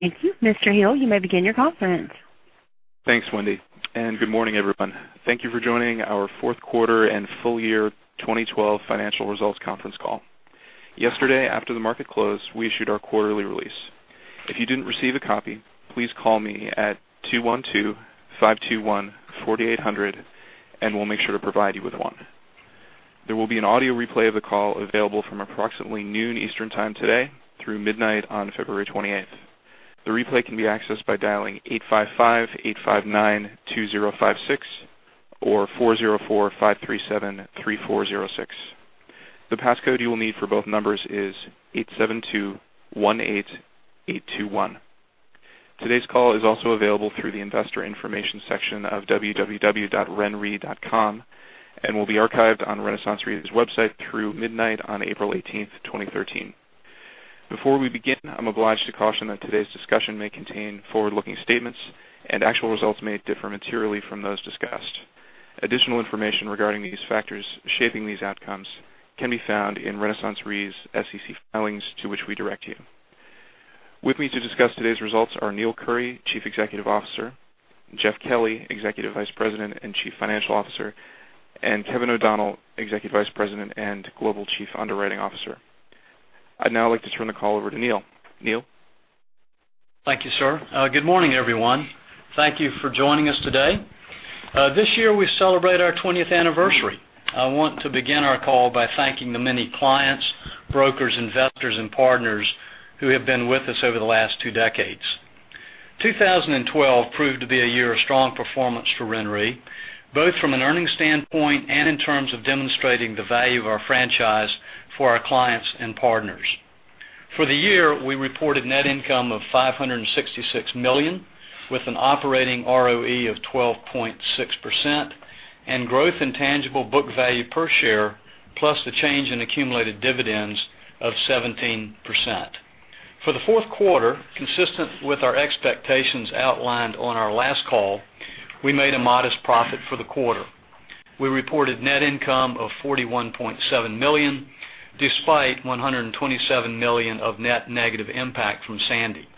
Thank you. Mr. Hill, you may begin your conference. Thanks, Wendy. Good morning, everyone. Thank you for joining our fourth quarter and full year 2012 financial results conference call. Yesterday, after the market closed, we issued our quarterly release. If you didn't receive a copy, please call me at 212-521-4800, and we'll make sure to provide you with one. There will be an audio replay of the call available from approximately noon Eastern Time today through midnight on February 28th. The replay can be accessed by dialing 855-859-2056 or 404-537-3406. The passcode you will need for both numbers is 87218821. Today's call is also available through the investor information section of www.renre.com and will be archived on RenaissanceRe's website through midnight on April 18th, 2013. Before we begin, I'm obliged to caution that today's discussion may contain forward-looking statements and actual results may differ materially from those discussed. Additional information regarding these factors shaping these outcomes can be found in RenaissanceRe's SEC filings to which we direct you. With me to discuss today's results are Neill Currie, Chief Executive Officer, Jeff Kelly, Executive Vice President and Chief Financial Officer, and Kevin O'Donnell, Executive Vice President and Global Chief Underwriting Officer. I'd now like to turn the call over to Neill. Neill? Thank you, sir. Good morning, everyone. Thank you for joining us today. This year, we celebrate our 20th anniversary. I want to begin our call by thanking the many clients, brokers, investors, and partners who have been with us over the last two decades. 2012 proved to be a year of strong performance for RenRe, both from an earnings standpoint and in terms of demonstrating the value of our franchise for our clients and partners. For the year, we reported net income of $566 million, with an operating ROE of 12.6% and growth in tangible book value per share, plus the change in accumulated dividends of 17%. For the fourth quarter, consistent with our expectations outlined on our last call, we made a modest profit for the quarter. We reported net income of $41.7 million, despite $127 million of net negative impact from Sandy.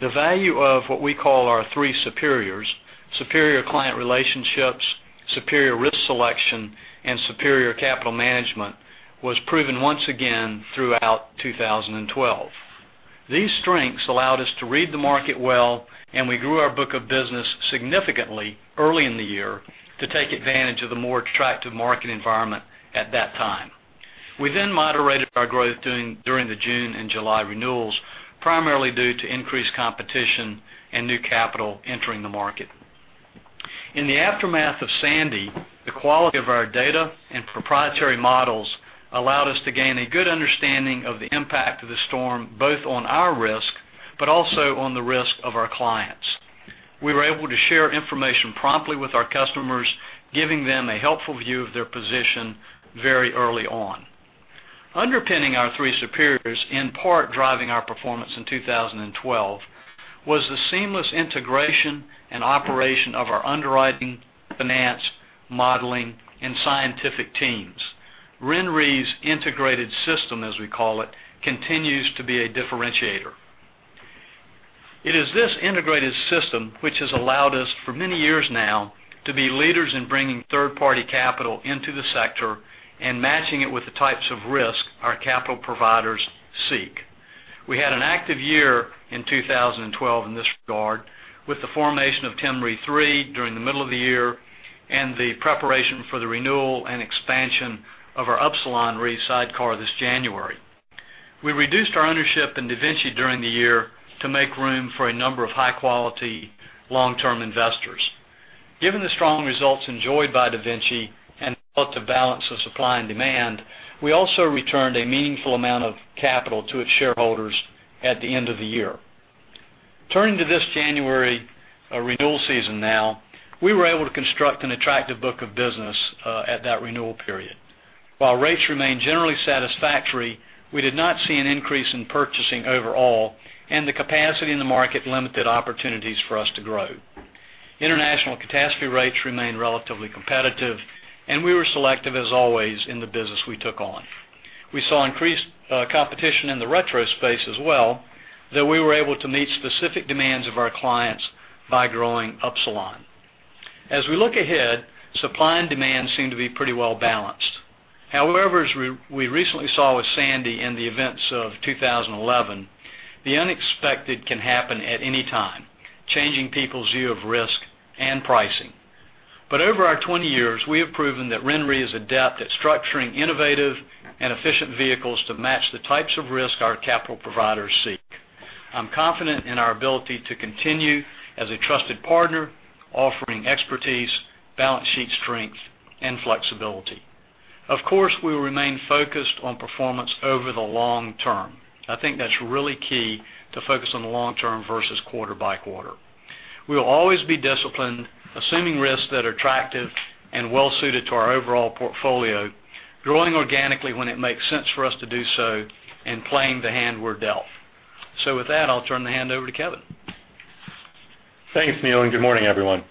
The value of what we call our three superiors, superior client relationships, superior risk selection, and superior capital management, was proven once again throughout 2012. These strengths allowed us to read the market well, and we grew our book of business significantly early in the year to take advantage of the more attractive market environment at that time. We then moderated our growth during the June and July renewals, primarily due to increased competition and new capital entering the market. In the aftermath of Hurricane Sandy, the quality of our data and proprietary models allowed us to gain a good understanding of the impact of the storm, both on our risk but also on the risk of our clients. We were able to share information promptly with our customers, giving them a helpful view of their position very early on. Underpinning our three superiors, in part driving our performance in 2012, was the seamless integration and operation of our underwriting, finance, modeling, and scientific teams. RenRe's integrated system, as we call it, continues to be a differentiator. It is this integrated system which has allowed us for many years now to be leaders in bringing third-party capital into the sector and matching it with the types of risk our capital providers seek. We had an active year in 2012 in this regard with the formation of Tim Re III during the middle of the year and the preparation for the renewal and expansion of our Upsilon Re sidecar this January. We reduced our ownership in DaVinci during the year to make room for a number of high-quality long-term investors. Given the strong results enjoyed by DaVinci and the balance of supply and demand, we also returned a meaningful amount of capital to its shareholders at the end of the year. Turning to this January renewal season now, we were able to construct an attractive book of business at that renewal period. While rates remained generally satisfactory, we did not see an increase in purchasing overall, and the capacity in the market limited opportunities for us to grow. International catastrophe rates remained relatively competitive, and we were selective as always in the business we took on. We saw increased competition in the retro space as well, though we were able to meet specific demands of our clients by growing Upsilon. As we look ahead, supply and demand seem to be pretty well balanced. As we recently saw with Hurricane Sandy and the events of 2011, the unexpected can happen at any time, changing people's view of risk and pricing. Over our 20 years, we have proven that RenRe is adept at structuring innovative and efficient vehicles to match the types of risk our capital providers seek. I'm confident in our ability to continue as a trusted partner, offering expertise, balance sheet strength, and flexibility. We will remain focused on performance over the long term. I think that's really key to focus on the long term versus quarter by quarter. We will always be disciplined, assuming risks that are attractive and well-suited to our overall portfolio, growing organically when it makes sense for us to do so, and playing the hand we're dealt. With that, I'll turn the hand over to Kevin. Thanks, Neill, and good morning, everyone.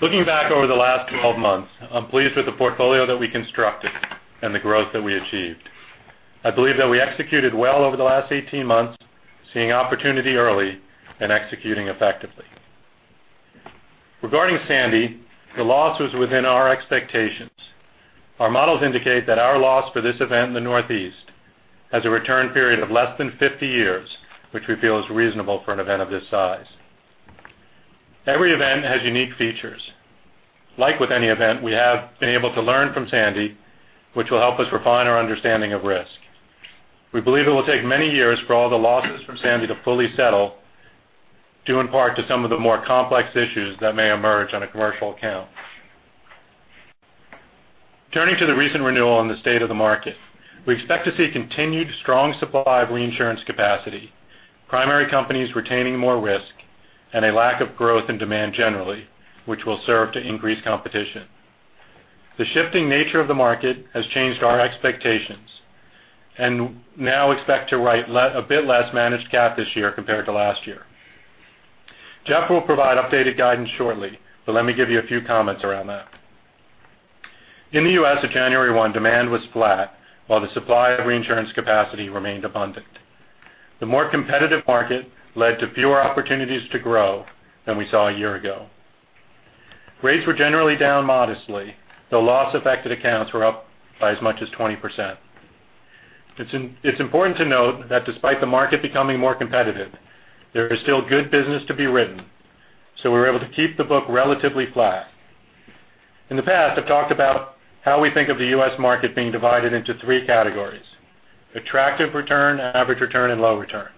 Looking back over the last 12 months, I'm pleased with the portfolio that we constructed and the growth that we achieved. I believe that we executed well over the last 18 months, seeing opportunity early and executing effectively. Regarding Sandy, the loss was within our expectations. Our models indicate that our loss for this event in the Northeast has a return period of less than 50 years, which we feel is reasonable for an event of this size. Every event has unique features. Like with any event, we have been able to learn from Sandy, which will help us refine our understanding of risk. We believe it will take many years for all the losses from Sandy to fully settle, due in part to some of the more complex issues that may emerge on a commercial account. Turning to the recent renewal and the state of the market, we expect to see continued strong supply of reinsurance capacity, primary companies retaining more risk, a lack of growth in demand generally, which will serve to increase competition. The shifting nature of the market has changed our expectations. Now expect to write a bit less managed cat this year compared to last year. Jeff will provide updated guidance shortly, let me give you a few comments around that. In the U.S., the January 1 demand was flat while the supply of reinsurance capacity remained abundant. The more competitive market led to fewer opportunities to grow than we saw a year ago. Rates were generally down modestly, though loss-affected accounts were up by as much as 20%. It's important to note that despite the market becoming more competitive, there is still good business to be written, we were able to keep the book relatively flat. In the past, I've talked about how we think of the U.S. market being divided into three categories: attractive return, average return, and low return.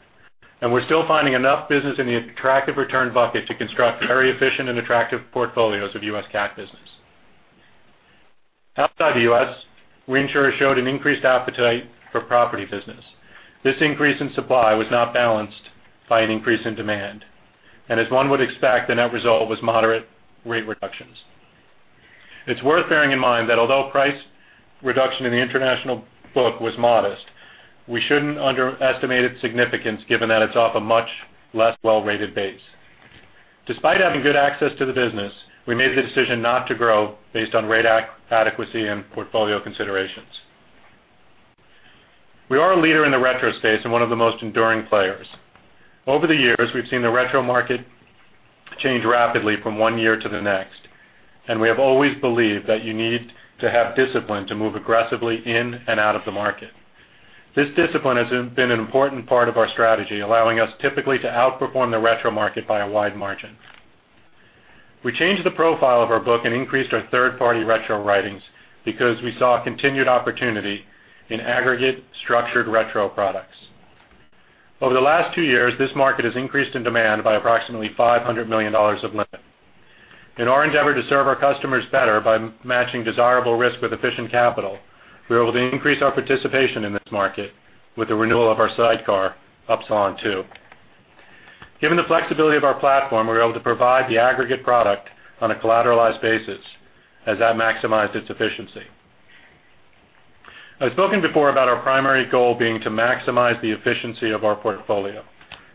We're still finding enough business in the attractive return bucket to construct very efficient and attractive portfolios of U.S. cat business. Outside the U.S., reinsurers showed an increased appetite for property business. This increase in supply was not balanced by an increase in demand, as one would expect, the net result was moderate rate reductions. It's worth bearing in mind that although price reduction in the international book was modest, we shouldn't underestimate its significance given that it's off a much less well-rated base. Despite having good access to the business, we made the decision not to grow based on rate adequacy and portfolio considerations. We are a leader in the retro space and one of the most enduring players. Over the years, we've seen the retro market change rapidly from one year to the next, we have always believed that you need to have discipline to move aggressively in and out of the market. This discipline has been an important part of our strategy, allowing us typically to outperform the retro market by a wide margin. We changed the profile of our book and increased our third-party retro writings because we saw a continued opportunity in aggregate structured retro products. Over the last two years, this market has increased in demand by approximately $500 million of limit. In our endeavor to serve our customers better by matching desirable risk with efficient capital, we were able to increase our participation in this market with the renewal of our sidecar, Upsilon II. Given the flexibility of our platform, we were able to provide the aggregate product on a collateralized basis, as that maximized its efficiency. I've spoken before about our primary goal being to maximize the efficiency of our portfolio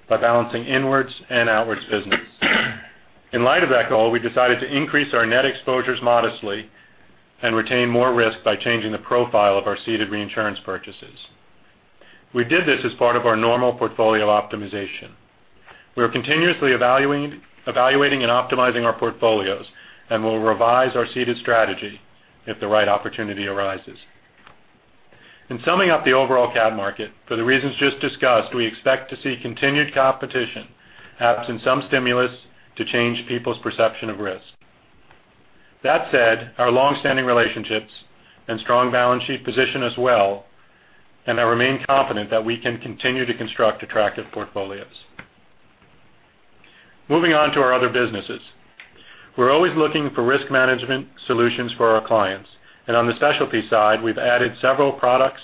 by balancing inwards and outwards business. In light of that goal, we decided to increase our net exposures modestly and retain more risk by changing the profile of our ceded reinsurance purchases. We did this as part of our normal portfolio optimization. We are continuously evaluating and optimizing our portfolios and will revise our ceded strategy if the right opportunity arises. In summing up the overall cat market, for the reasons just discussed, we expect to see continued competition absent some stimulus to change people's perception of risk. That said, our long-standing relationships and strong balance sheet position us well, I remain confident that we can continue to construct attractive portfolios. Moving on to our other businesses. We're always looking for risk management solutions for our clients, on the specialty side, we've added several products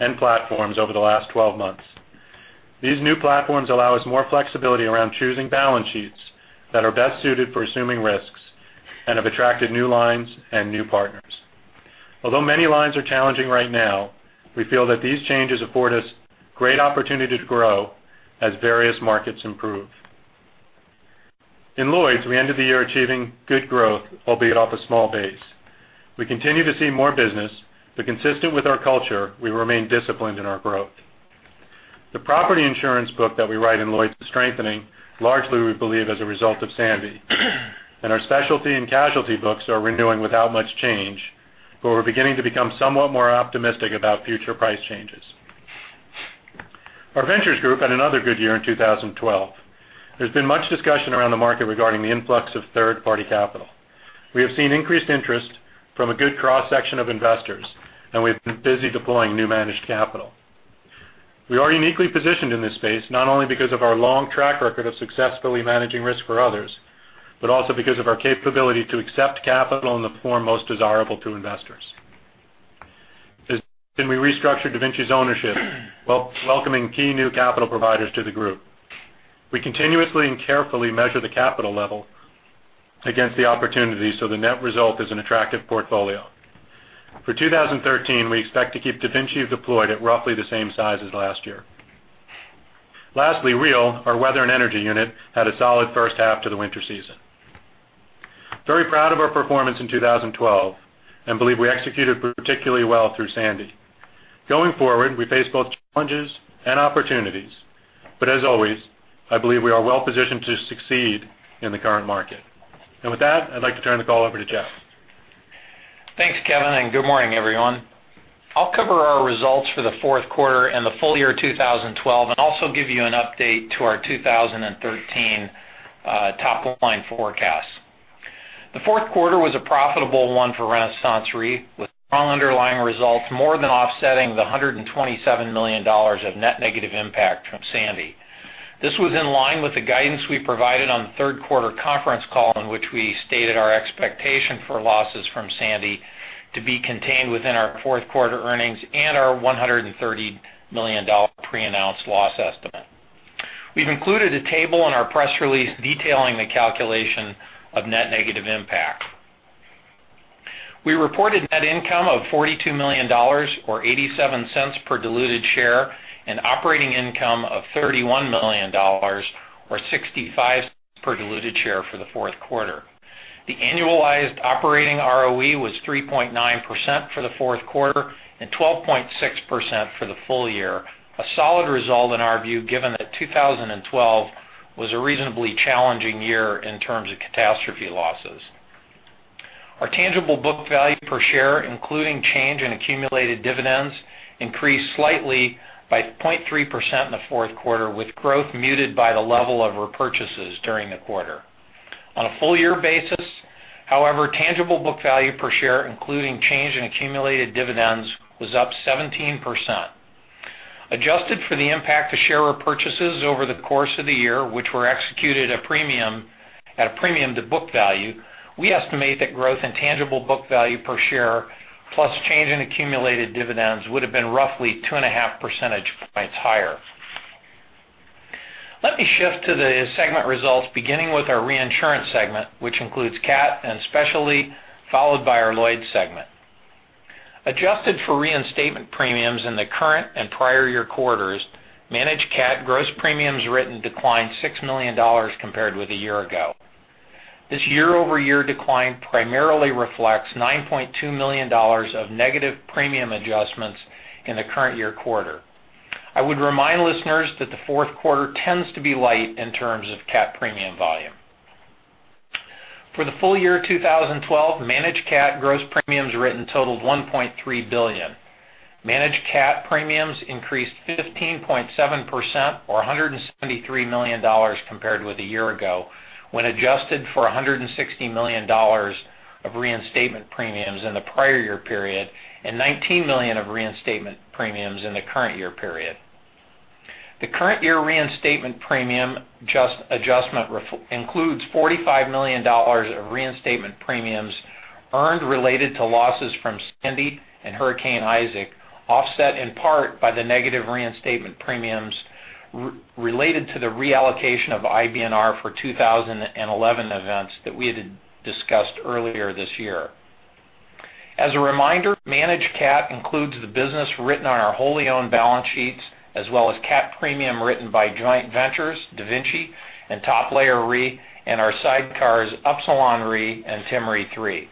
and platforms over the last 12 months. These new platforms allow us more flexibility around choosing balance sheets that are best suited for assuming risks and have attracted new lines and new partners. Although many lines are challenging right now, we feel that these changes afford us great opportunity to grow as various markets improve. In Lloyd's, we ended the year achieving good growth, albeit off a small base. We continue to see more business, consistent with our culture, we remain disciplined in our growth. The property insurance book that we write in Lloyd's is strengthening, largely we believe as a result of Sandy, our specialty and casualty books are renewing without much change, we're beginning to become somewhat more optimistic about future price changes. Our ventures group had another good year in 2012. There's been much discussion around the market regarding the influx of third-party capital. We have seen increased interest from a good cross-section of investors, we've been busy deploying new managed capital. We are uniquely positioned in this space, not only because of our long track record of successfully managing risk for others, but also because of our capability to accept capital in the form most desirable to investors. Since then we restructured DaVinci's ownership, welcoming key new capital providers to the group. We continuously and carefully measure the capital level against the opportunities so the net result is an attractive portfolio. For 2013, we expect to keep DaVinci deployed at roughly the same size as last year. Lastly, REAL, our weather and energy unit, had a solid first half to the winter season. Very proud of our performance in 2012 and believe we executed particularly well through Sandy. Going forward, we face both challenges and opportunities, as always, I believe we are well-positioned to succeed in the current market. With that, I'd like to turn the call over to Jeff. Thanks, Kevin, and good morning, everyone. I'll cover our results for the fourth quarter and the full year 2012 and also give you an update to our 2013 top-line forecast. The fourth quarter was a profitable one for RenaissanceRe, with strong underlying results more than offsetting the $127 million of net negative impact from Sandy. This was in line with the guidance we provided on the third quarter conference call, in which we stated our expectation for losses from Sandy to be contained within our fourth quarter earnings and our $130 million pre-announced loss estimate. We've included a table in our press release detailing the calculation of net negative impact. We reported net income of $42 million, or $0.87 per diluted share, and operating income of $31 million, or $0.65 per diluted share for the fourth quarter. The annualized operating ROE was 3.9% for the fourth quarter and 12.6% for the full year, a solid result in our view given that 2012 was a reasonably challenging year in terms of catastrophe losses. Our tangible book value per share, including change in accumulated dividends, increased slightly by 0.3% in the fourth quarter, with growth muted by the level of repurchases during the quarter. On a full year basis, however, tangible book value per share, including change in accumulated dividends, was up 17%. Adjusted for the impact of share repurchases over the course of the year, which were executed at a premium to book value, we estimate that growth in tangible book value per share plus change in accumulated dividends would have been roughly two and a half percentage points higher. Let me shift to the segment results, beginning with our reinsurance segment, which includes cat and specialty, followed by our Lloyd's segment. Adjusted for reinstatement premiums in the current and prior year quarters, managed cat gross premiums written declined $6 million compared with a year ago. This year-over-year decline primarily reflects $9.2 million of negative premium adjustments in the current year quarter. I would remind listeners that the fourth quarter tends to be light in terms of cat premium volume. For the full year 2012, managed cat gross premiums written totaled $1.3 billion. Managed cat premiums increased 15.7%, or $173 million compared with a year ago, when adjusted for $160 million of reinstatement premiums in the prior year period and $19 million of reinstatement premiums in the current year period. The current year reinstatement premium adjustment includes $45 million of reinstatement premiums earned related to losses from Sandy and Hurricane Isaac, offset in part by the negative reinstatement premiums related to the reallocation of IBNR for 2011 events that we had discussed earlier this year. As a reminder, managed cat includes the business written on our wholly owned balance sheets, as well as cat premium written by joint ventures, DaVinci and Top Layer Re, and our sidecars, Upsilon Re and Tim Re 3.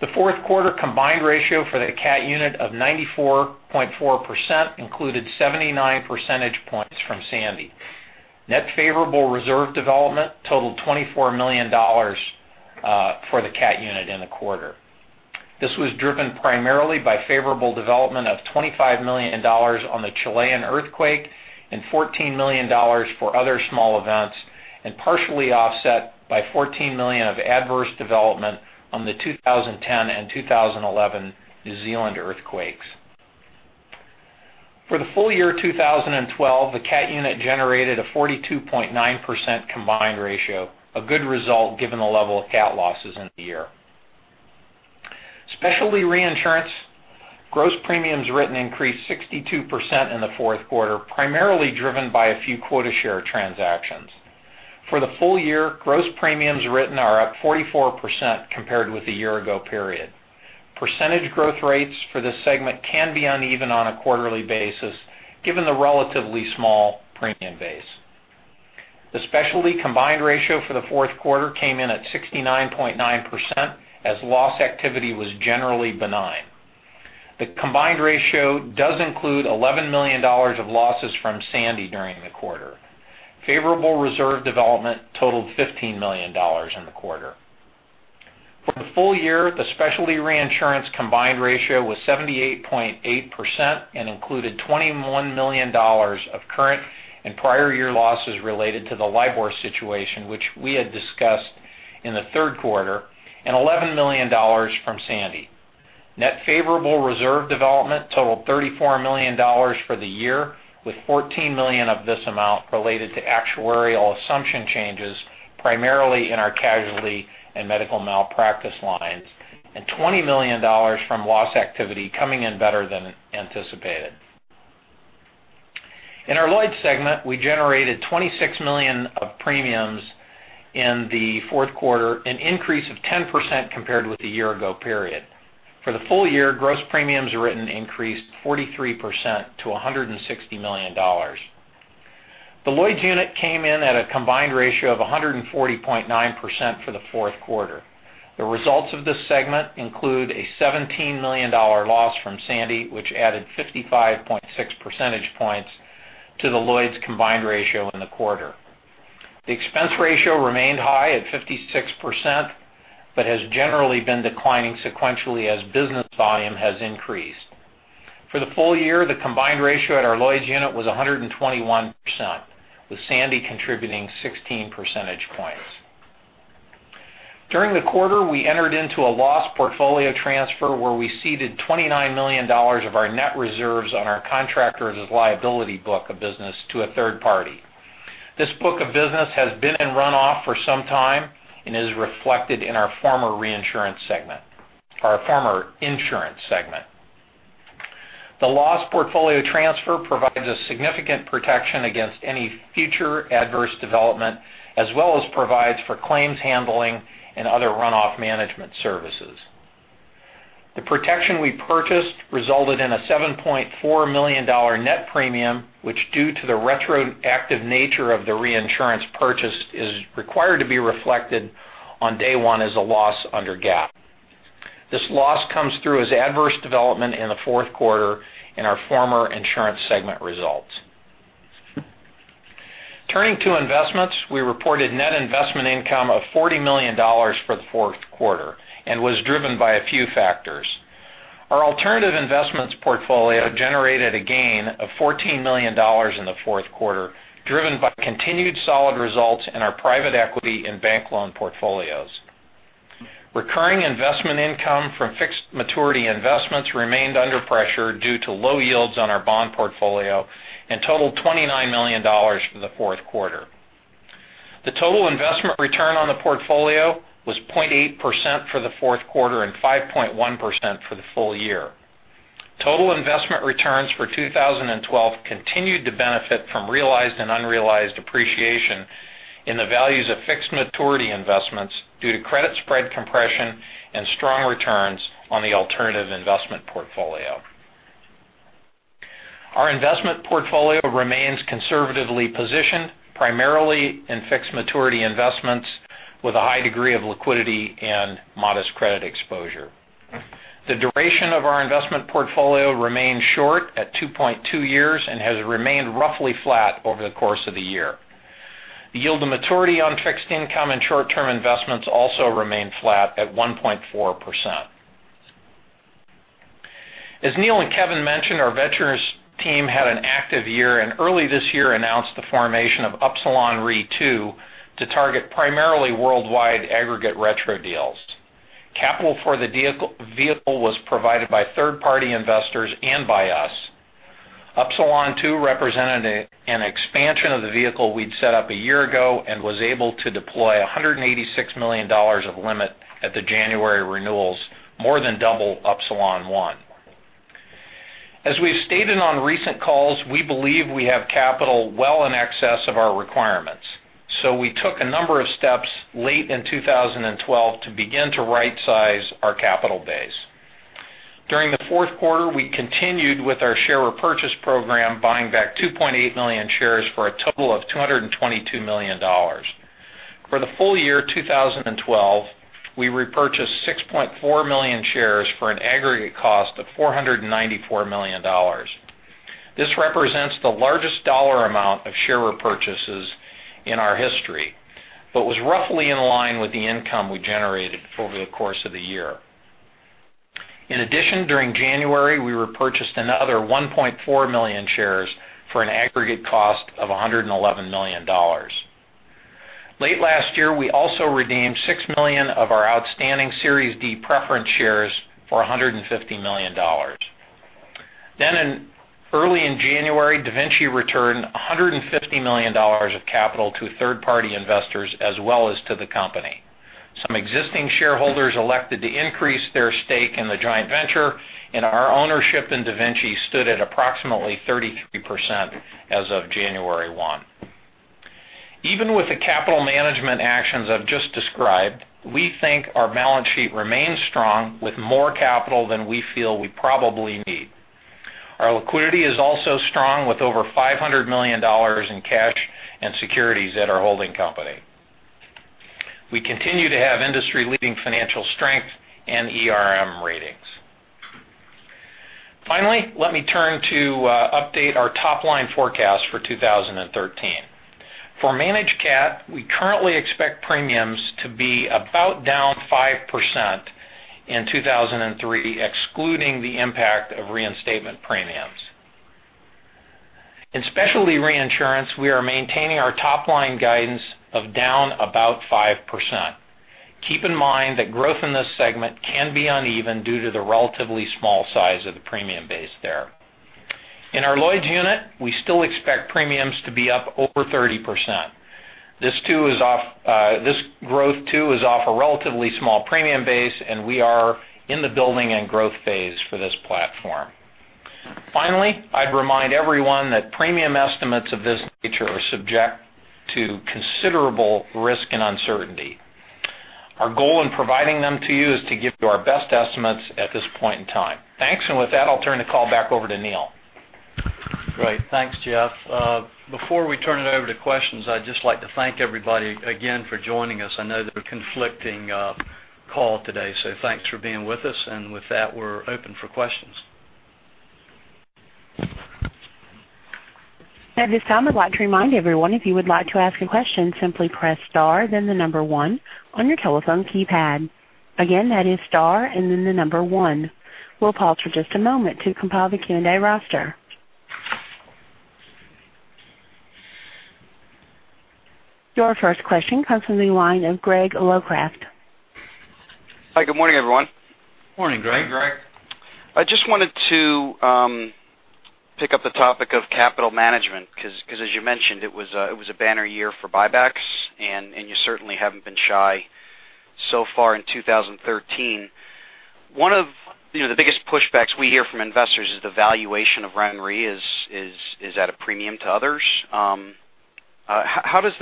The fourth quarter combined ratio for the cat unit of 94.4% included 79 percentage points from Sandy. Net favorable reserve development totaled $24 million for the cat unit in the quarter. This was driven primarily by favorable development of $25 million on the Chilean earthquake and $14 million for other small events, and partially offset by $14 million of adverse development on the 2010 and 2011 New Zealand earthquakes. For the full year 2012, the cat unit generated a 42.9% combined ratio, a good result given the level of cat losses in the year. Specialty reinsurance gross premiums written increased 62% in the fourth quarter, primarily driven by a few quota share transactions. For the full year, gross premiums written are up 44% compared with the year ago period. Percentage growth rates for this segment can be uneven on a quarterly basis, given the relatively small premium base. The specialty combined ratio for the fourth quarter came in at 69.9% as loss activity was generally benign. The combined ratio does include $11 million of losses from Sandy during the quarter. Favorable reserve development totaled $15 million in the quarter. For the full year, the specialty reinsurance combined ratio was 78.8% and included $21 million of current and prior year losses related to the LIBOR situation, which we had discussed in the third quarter, and $11 million from Sandy. Net favorable reserve development totaled $34 million for the year, with $14 million of this amount related to actuarial assumption changes, primarily in our casualty and medical malpractice lines, and $20 million from loss activity coming in better than anticipated. In our Lloyd's segment, we generated $26 million of premiums in the fourth quarter, an increase of 10% compared with the year ago period. For the full year, gross premiums written increased 43% to $160 million. The Lloyd's unit came in at a combined ratio of 140.9% for the fourth quarter. The results of this segment include a $17 million loss from Sandy, which added 55.6 percentage points to the Lloyd's combined ratio in the quarter. The expense ratio remained high at 56%, but has generally been declining sequentially as business volume has increased. For the full year, the combined ratio at our Lloyd's unit was 121%, with Sandy contributing 16 percentage points. During the quarter, we entered into a loss portfolio transfer where we ceded $29 million of our net reserves on our contractors' liability book of business to a third party. This book of business has been in runoff for some time and is reflected in our former insurance segment. The loss portfolio transfer provides a significant protection against any future adverse development, as well as provides for claims handling and other runoff management services. The protection we purchased resulted in a $7.4 million net premium, which, due to the retroactive nature of the reinsurance purchase, is required to be reflected on day one as a loss under GAAP. This loss comes through as adverse development in the fourth quarter in our former insurance segment results. Turning to investments, we reported net investment income of $40 million for the fourth quarter and was driven by a few factors. Our alternative investments portfolio generated a gain of $14 million in the fourth quarter, driven by continued solid results in our private equity and bank loan portfolios. Recurring investment income from fixed maturity investments remained under pressure due to low yields on our bond portfolio and totaled $29 million for the fourth quarter. The total investment return on the portfolio was 0.8% for the fourth quarter and 5.1% for the full year. Total investment returns for 2012 continued to benefit from realized and unrealized appreciation in the values of fixed maturity investments due to credit spread compression and strong returns on the alternative investment portfolio. Our investment portfolio remains conservatively positioned, primarily in fixed maturity investments with a high degree of liquidity and modest credit exposure. The duration of our investment portfolio remains short at 2.2 years and has remained roughly flat over the course of the year. The yield to maturity on fixed income and short-term investments also remained flat at 1.4%. As Neill and Kevin mentioned, our ventures team had an active year and early this year announced the formation of Upsilon Re II to target primarily worldwide aggregate retro deals. Capital for the vehicle was provided by third-party investors and by us. Upsilon II represented an expansion of the vehicle we'd set up a year ago and was able to deploy $186 million of limit at the January renewals, more than double Upsilon I. As we've stated on recent calls, we believe we have capital well in excess of our requirements. We took a number of steps late in 2012 to begin to rightsize our capital base. During the fourth quarter, we continued with our share repurchase program, buying back 2.8 million shares for a total of $222 million. For the full year 2012, we repurchased 6.4 million shares for an aggregate cost of $494 million. This represents the largest dollar amount of share repurchases in our history, but was roughly in line with the income we generated over the course of the year. In addition, during January, we repurchased another 1.4 million shares for an aggregate cost of $111 million. Late last year, we also redeemed 6 million of our outstanding Series D preference shares for $150 million. In early January, DaVinci returned $150 million of capital to third-party investors, as well as to the company. Some existing shareholders elected to increase their stake in the joint venture, and our ownership in DaVinci stood at approximately 33% as of January 1. Even with the capital management actions I've just described, we think our balance sheet remains strong with more capital than we feel we probably need. Our liquidity is also strong with over $500 million in cash and securities at our holding company. We continue to have industry-leading financial strength and ERM ratings. Finally, let me turn to update our top-line forecast for 2013. For Managed Cat, we currently expect premiums to be about down 5% in 2013, excluding the impact of reinstatement premiums. In specialty reinsurance, we are maintaining our top-line guidance of down about 5%. Keep in mind that growth in this segment can be uneven due to the relatively small size of the premium base there. In our Lloyd's unit, we still expect premiums to be up over 30%. This growth too is off a relatively small premium base, and we are in the building and growth phase for this platform. Finally, I'd remind everyone that premium estimates of this nature are subject to considerable risk and uncertainty. Our goal in providing them to you is to give you our best estimates at this point in time. Thanks. With that, I'll turn the call back over to Neill. Great. Thanks, Jeff. Before we turn it over to questions, I'd just like to thank everybody again for joining us. I know there's a conflicting call today, so thanks for being with us. With that, we're open for questions. At this time, I'd like to remind everyone, if you would like to ask a question, simply press star, then the number one on your telephone keypad. Again, that is star and then the number one. We'll pause for just a moment to compile the Q&A roster. Your first question comes from the line of Gregory Locraft. Hi, good morning, everyone. Morning, Greg. Morning, Greg. I just wanted to pick up the topic of capital management, because as you mentioned, it was a banner year for buybacks, and you certainly haven't been shy so far in 2013. One of the biggest pushbacks we hear from investors is the valuation of RenRe is at a premium to others. How does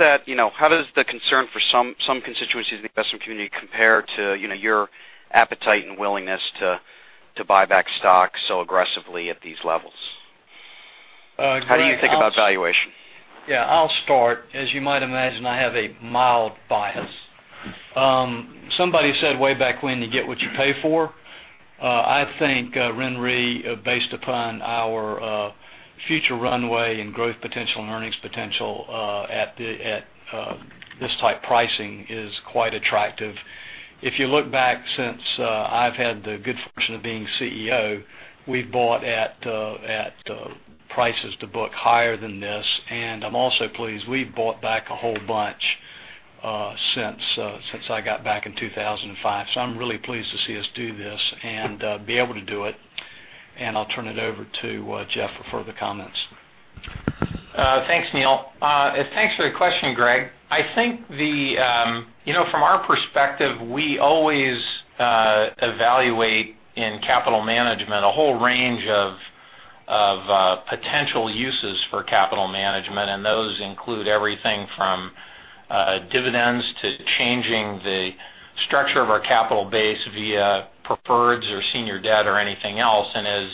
the concern for some constituencies in the investment community compare to your appetite and willingness to buy back stock so aggressively at these levels? Greg, How do you think about valuation? Yeah, I'll start. As you might imagine, I have a mild bias. Somebody said way back when, "You get what you pay for." I think RenRe, based upon our future runway and growth potential and earnings potential, at this type pricing, is quite attractive. If you look back since I've had the good fortune of being CEO, we've bought at prices to book higher than this, and I'm also pleased we've bought back a whole bunch since I got back in 2005. I'm really pleased to see us do this and be able to do it, and I'll turn it over to Jeff for further comments. Thanks, Neill. Thanks for the question, Greg. I think from our perspective, we always evaluate in capital management, a whole range of potential uses for capital management, and those include everything from dividends to changing the structure of our capital base via preferreds or senior debt or anything else. As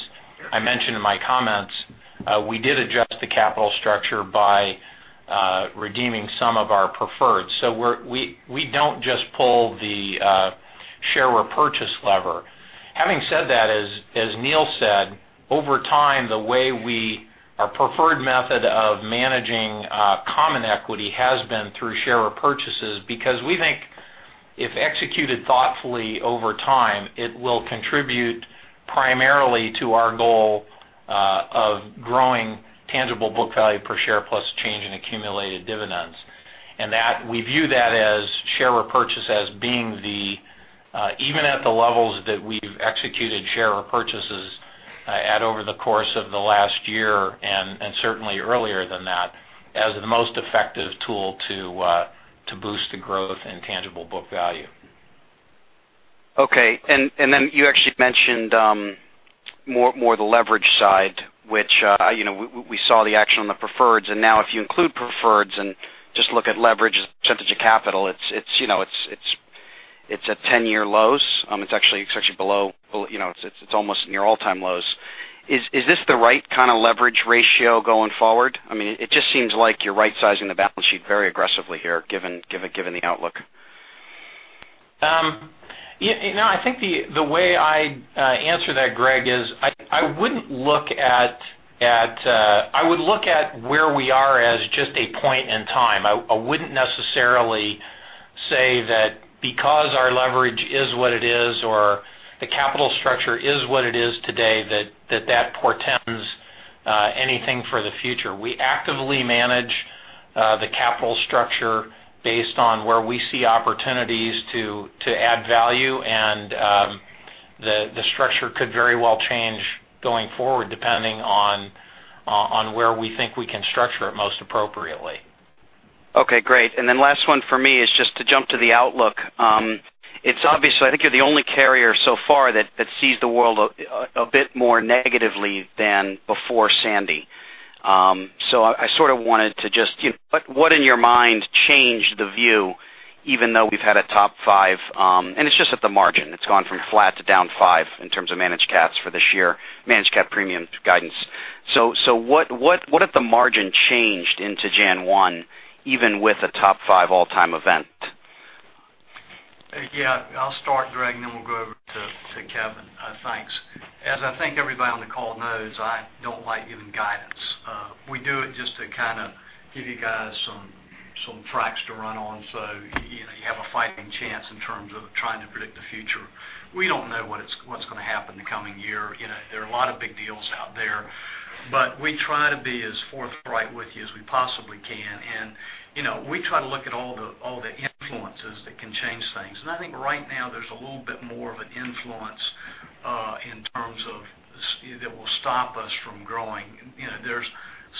I mentioned in my comments, we did adjust the capital structure by redeeming some of our preferred. We don't just pull the share repurchase lever. Having said that, as Neill said, over time, our preferred method of managing common equity has been through share repurchases, because we think if executed thoughtfully over time, it will contribute primarily to our goal of growing tangible book value per share plus change in accumulated dividends. We view that as share repurchase as being the, even at the levels that we've executed share repurchases at over the course of the last year and certainly earlier than that, as the most effective tool to boost the growth in tangible book value. Okay. You actually mentioned more the leverage side, which we saw the action on the preferreds. Now if you include preferreds and just look at leverage as a percentage of capital, it's at 10-year lows. It's actually below. It's almost near all-time lows. Is this the right kind of leverage ratio going forward? It just seems like you're right-sizing the balance sheet very aggressively here, given the outlook. I think the way I'd answer that, Greg, is I would look at where we are as just a point in time. I wouldn't necessarily say that because our leverage is what it is or the capital structure is what it is today, that that portends anything for the future. We actively manage the capital structure based on where we see opportunities to add value, and the structure could very well change going forward, depending on where we think we can structure it most appropriately. Okay, great. Then last one for me is just to jump to the outlook. It's obvious, I think you're the only carrier so far that sees the world a bit more negatively than before Sandy. I sort of wanted to just, what in your mind changed the view even though we've had a top five, and it's just at the margin, it's gone from flat to down five in terms of managed cat for this year, managed cat premium guidance. What if the margin changed into January one, even with a top five all-time event? Yeah, I'll start, Greg, then we'll go over to Kevin. Thanks. As I think everybody on the call knows, I don't like giving guidance. We do it just to kind of give you guys some tracks to run on so you have a fighting chance in terms of trying to predict the future. We don't know what's going to happen in the coming year. There are a lot of big deals out there, but we try to be as forthright with you as we possibly can, and we try to look at all the influences that can change things. I think right now there's a little bit more of an influence that will stop us from growing. There's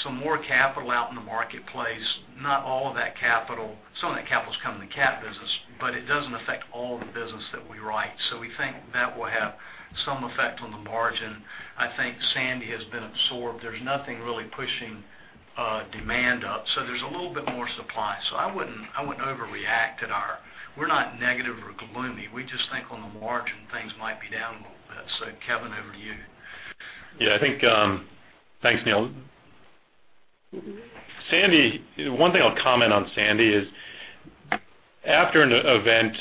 some more capital out in the marketplace. Some of that capital is coming to cat business, but it doesn't affect all the business that we write. We think that will have some effect on the margin. I think Sandy has been absorbed. There's nothing really pushing demand up. There's a little bit more supply. I wouldn't overreact. We're not negative or gloomy. We just think on the margin, things might be down a little bit. Kevin, over to you. Thanks, Neill. One thing I'll comment on Sandy is after an event,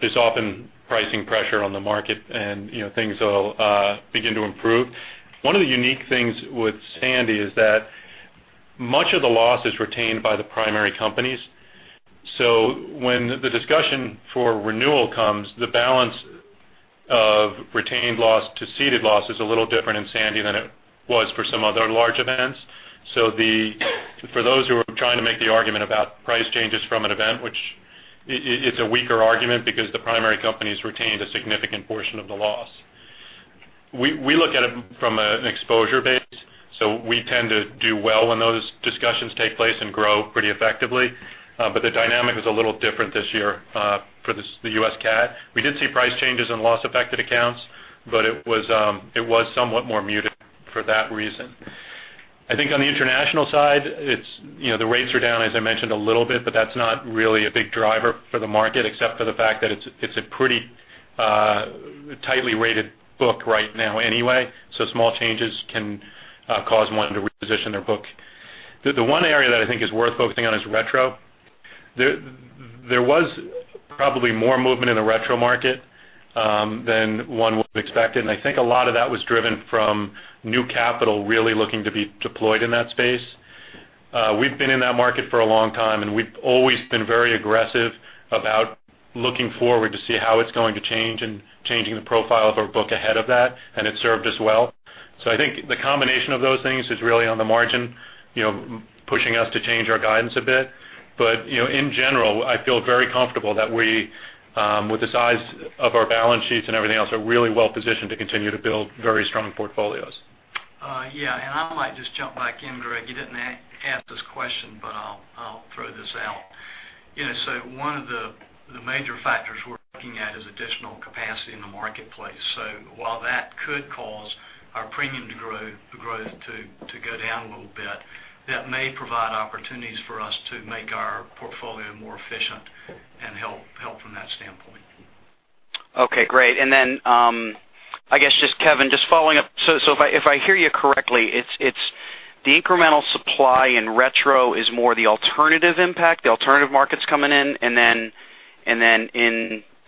there's often pricing pressure on the market, and things will begin to improve. One of the unique things with Sandy is that much of the loss is retained by the primary companies. When the discussion for renewal comes, the balance of retained loss to ceded loss is a little different in Sandy than it was for some other large events. For those who are trying to make the argument about price changes from an event, which it's a weaker argument because the primary companies retained a significant portion of the loss. We look at it from an exposure base, so we tend to do well when those discussions take place and grow pretty effectively. The dynamic is a little different this year for the U.S. cat. We did see price changes in loss-affected accounts, but it was somewhat more muted for that reason. I think on the international side, the rates are down, as I mentioned, a little bit, but that's not really a big driver for the market except for the fact that it's a pretty tightly rated book right now anyway, so small changes can cause one to reposition their book. The one area that I think is worth focusing on is retro. There was probably more movement in the retro market than one would expect, and I think a lot of that was driven from new capital really looking to be deployed in that space. We've been in that market for a long time, and we've always been very aggressive about looking forward to see how it's going to change and changing the profile of our book ahead of that, and it served us well. I think the combination of those things is really on the margin, pushing us to change our guidance a bit. In general, I feel very comfortable that we with the size of our balance sheets and everything else, are really well positioned to continue to build very strong portfolios. I might just jump back in, Greg. You didn't ask this question, but I'll throw this out. One of the major factors we're looking at is additional capacity in the marketplace. While that could cause our premium growth to go down a little bit, that may provide opportunities for us to make our portfolio more efficient and help from that standpoint. Okay, great. Then, I guess, just Kevin, just following up. If I hear you correctly, it's the incremental supply in retro is more the alternative impact, the alternative markets coming in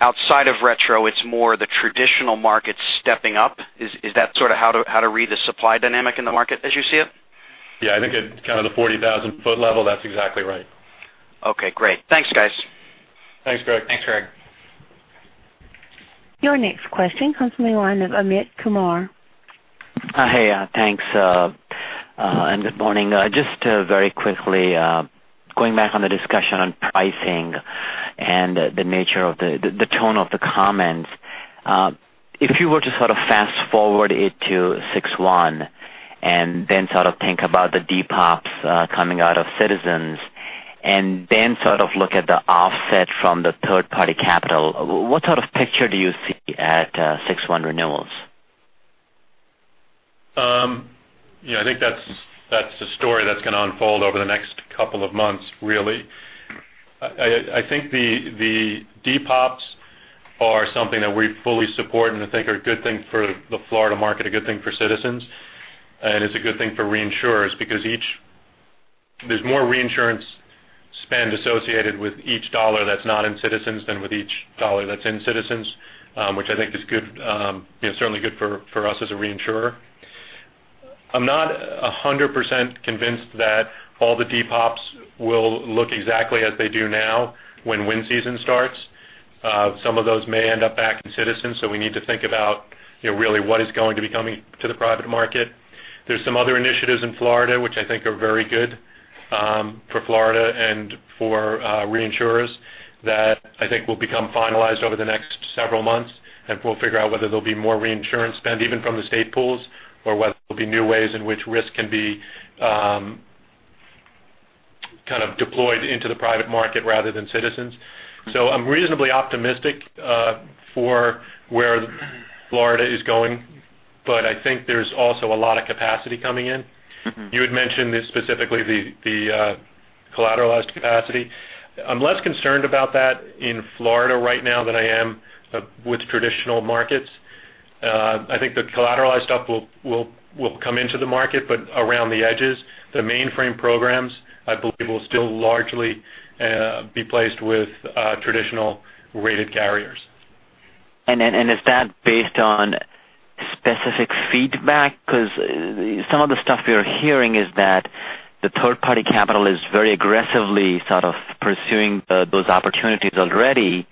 outside of retro, it's more the traditional markets stepping up. Is that sort of how to read the supply dynamic in the market as you see it? Yeah, I think at kind of the 40,000-foot level, that's exactly right. Okay, great. Thanks, guys. Thanks, Greg. Thanks, Greg. Your next question comes from the line of Amit Kumar. Hey. Thanks, and good morning. Just very quickly, going back on the discussion on pricing and the nature of the tone of the comments. If you were to sort of fast forward it to 6/1 and then sort of think about the depops coming out of Citizens, and then sort of look at the offset from the third-party capital, what sort of picture do you see at 6/1 renewals? I think that's the story that's going to unfold over the next couple of months, really. I think the depops are something that we fully support and I think are a good thing for the Florida market, a good thing for Citizens, and it's a good thing for reinsurers because there's more reinsurance spend associated with each dollar that's not in Citizens than with each dollar that's in Citizens, which I think is certainly good for us as a reinsurer. I'm not 100% convinced that all the depops will look exactly as they do now when wind season starts. Some of those may end up back in Citizens, so we need to think about really what is going to be coming to the private market. There's some other initiatives in Florida, which I think are very good for Florida and for reinsurers that I think will become finalized over the next several months, and we'll figure out whether there'll be more reinsurance spend even from the state pools or whether there'll be new ways in which risk can be kind of deployed into the private market rather than Citizens. I'm reasonably optimistic for where Florida is going, but I think there's also a lot of capacity coming in. You had mentioned specifically the collateralized capacity. I'm less concerned about that in Florida right now than I am with traditional markets. I think the collateralized stuff will come into the market, but around the edges. The mainframe programs, I believe, will still largely be placed with traditional rated carriers. Is that based on specific feedback? Because some of the stuff we're hearing is that the third-party capital is very aggressively sort of pursuing those opportunities already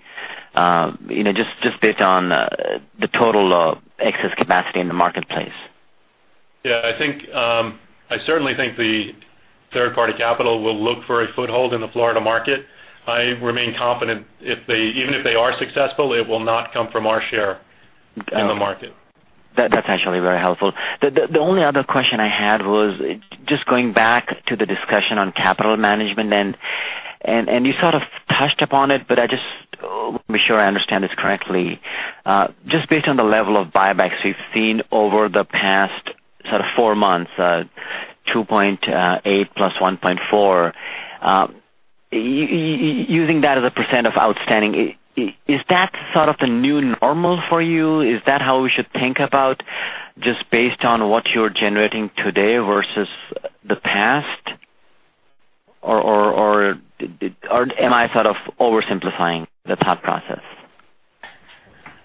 just based on the total excess capacity in the marketplace. I certainly think the third-party capital will look for a foothold in the Florida market. I remain confident, even if they are successful, it will not come from our share in the market. That's actually very helpful. The only other question I had was just going back to the discussion on capital management, and you sort of touched upon it, but I just want to be sure I understand this correctly. Just based on the level of buybacks we've seen over the past sort of four months, $2.8 plus $1.4, using that as a % of outstanding, is that sort of the new normal for you? Is that how we should think about just based on what you're generating today versus the past? Or am I sort of oversimplifying the thought process?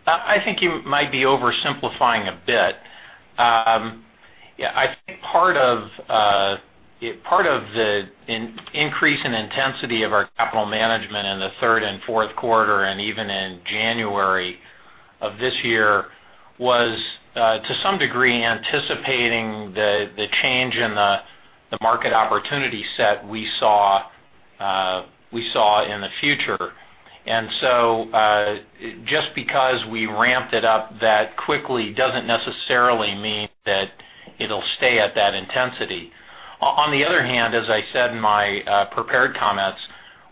I think you might be oversimplifying a bit. Yeah, I think part of the increase in intensity of our capital management in the third and fourth quarter, and even in January of this year, was, to some degree, anticipating the change in the market opportunity set we saw in the future. Just because we ramped it up that quickly doesn't necessarily mean that it'll stay at that intensity. On the other hand, as I said in my prepared comments,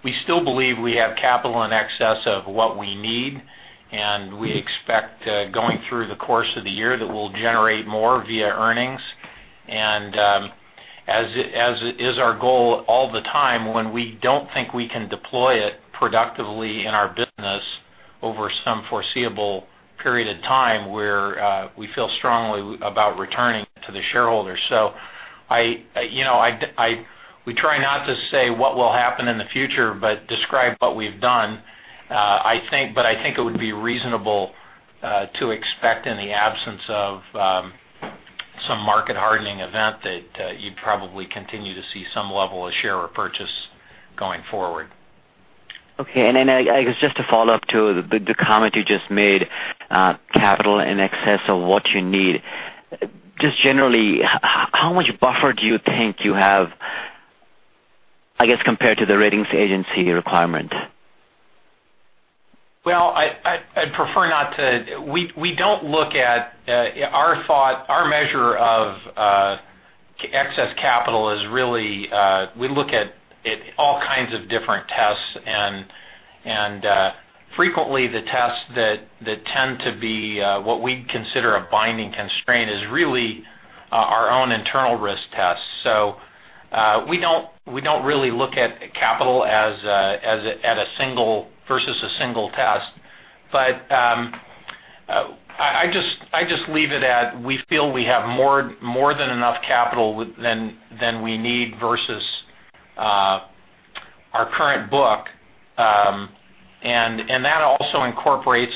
we still believe we have capital in excess of what we need, and we expect going through the course of the year that we'll generate more via earnings. As is our goal all the time, when we don't think we can deploy it productively in our business over some foreseeable period of time, we feel strongly about returning to the shareholders. We try not to say what will happen in the future but describe what we've done. I think it would be reasonable to expect in the absence of some market hardening event that you'd probably continue to see some level of share repurchase going forward. Okay. I guess just to follow up to the comment you just made, capital in excess of what you need. Just generally, how much buffer do you think you have, I guess, compared to the ratings agency requirement? Well, Our measure of excess capital is really, we look at all kinds of different tests. Frequently, the tests that tend to be what we'd consider a binding constraint is really our own internal risk tests. We don't really look at capital versus a single test. I just leave it at, we feel we have more than enough capital than we need versus our current book. That also incorporates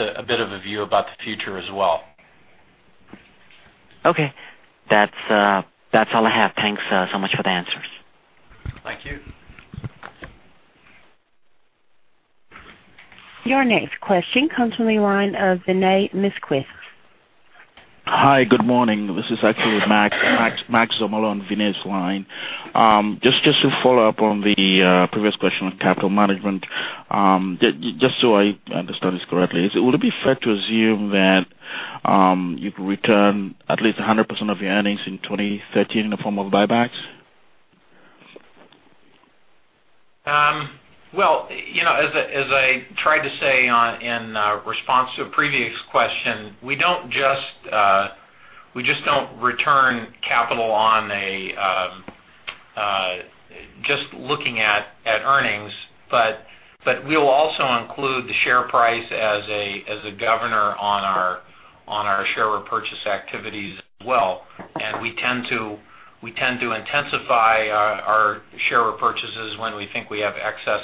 a bit of a view about the future as well. Okay. That's all I have. Thanks so much for the answers. Thank you. Your next question comes from the line of Vinay Misquith. Hi. Good morning. This is actually Max Omal on Vinay's line. Just to follow up on the previous question on capital management. Just so I understand this correctly, would it be fair to assume that you could return at least 100% of your earnings in 2013 in the form of buybacks? Well, as I tried to say in response to a previous question, we just don't return capital on just looking at earnings. We'll also include the share price as a governor on our share repurchase activities as well. We tend to intensify our share repurchases when we think we have excess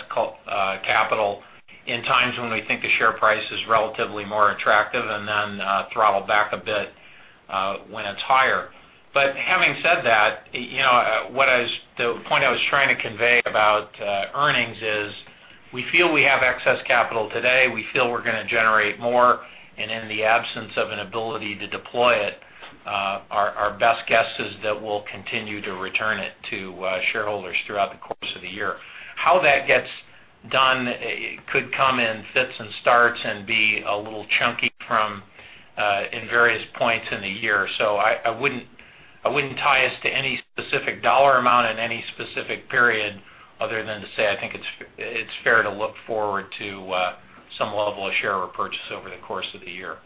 capital in times when we think the share price is relatively more attractive, then throttle back a bit when it's higher. Having said that, the point I was trying to convey about earnings is we feel we have excess capital today. We feel we're going to generate more, and in the absence of an ability to deploy it, our best guess is that we'll continue to return it to shareholders throughout the course of the year. How that gets done, it could come in fits and starts and be a little chunky in various points in the year. I wouldn't tie us to any specific dollar amount in any specific period other than to say, I think it's fair to look forward to some level of share repurchase over the course of the year.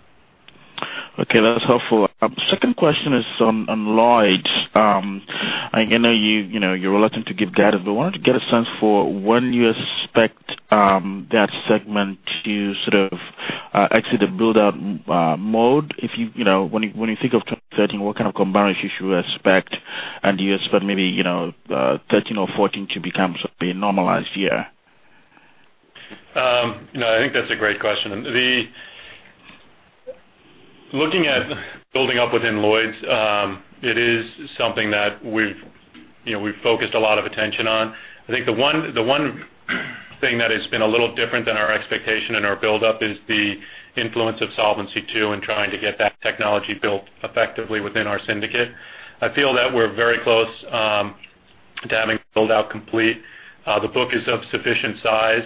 Okay. That's helpful. Second question is on Lloyd's. I know you're reluctant to give data, I wanted to get a sense for when you expect that segment to sort of exit the build-out mode. When you think of 2013, what kind of combination should we expect? Do you expect maybe 2013 or 2014 to become sort of a normalized year? I think that's a great question. Looking at building up within Lloyd's, it is something that we've focused a lot of attention on. I think the one thing that has been a little different than our expectation and our buildup is the influence of Solvency II and trying to get that technology built effectively within our syndicate. I feel that we're very close to having build-out complete. The book is of sufficient size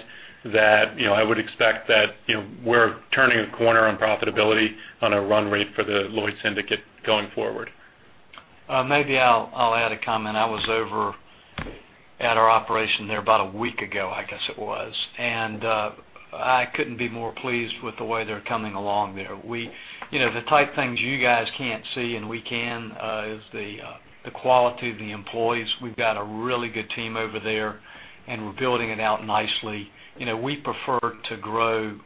that I would expect that we're turning a corner on profitability on a run rate for the Lloyd's syndicate going forward. Maybe I'll add a comment. I was over at our operation there about a week ago, I guess it was, and I couldn't be more pleased with the way they're coming along there. The type of things you guys can't see and we can is the quality of the employees. We've got a really good team over there, and we're building it out nicely. We prefer to grow